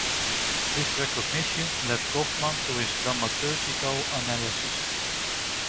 This recognition led Goffman to his dramaturgical analysis.